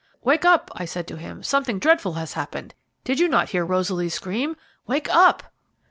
"Wake up," I said to him, "something dreadful has happened did you not hear Rosaly scream? Wake up!"